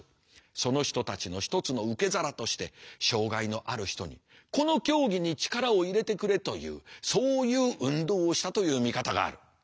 その人たちの一つの受け皿として障害のある人にこの競技に力を入れてくれというそういう運動をしたという見方がある。